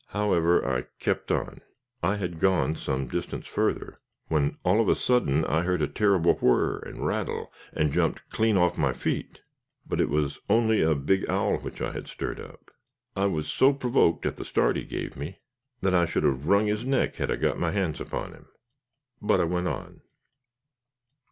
However, I kept on. I had gone some distance further, when all of a sudden I heard a terrible whirr and rattle, and jumped clean off my feet. But it was only a big owl which I had stirred up. I was so provoked at the start he gave me, that I should have wrung his neck had I got my hands upon him. But I went on.